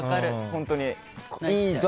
本当に。